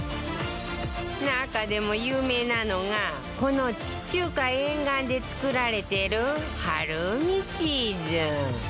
中でも有名なのがこの地中海沿岸で作られてるハルーミチーズ